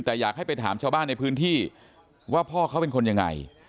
แต่อยากให้ไปถามชาวบ้านในพื้นที่ว่าพ่อเขาเป็นคนยังไง